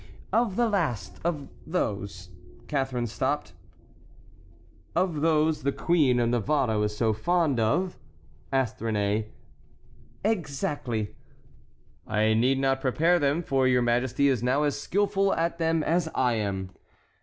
"Of the last, of those"— Catharine stopped. "Of those the Queen of Navarre was so fond of?" asked Réné. "Exactly." "I need not prepare them, for your majesty is now as skilful at them as I am."